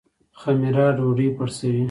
خمیره ډوډۍ پړسوي